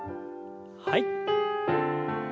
はい。